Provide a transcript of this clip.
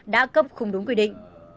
đã cấp không đúng quy định